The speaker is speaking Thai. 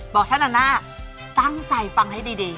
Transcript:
ฉันอันน่าตั้งใจฟังให้ดี